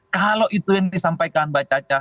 kalau itu yang disampaikan mbak caca